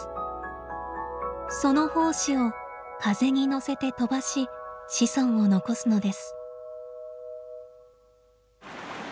その胞子を風に乗せて飛ばし子孫を残すのです。